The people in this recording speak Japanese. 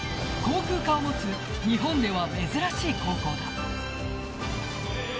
航空科を持つ日本では珍しい高校だ。